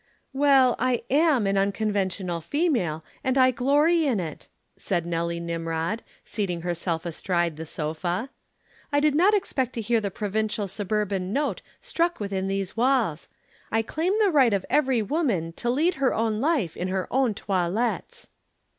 "Well, I am an unconventional female, and I glory in it," said Nelly Nimrod, seating herself astride the sofa. "I did not expect to hear the provincial suburban note struck within these walls. I claim the right of every woman to lead her own life in her own toilettes."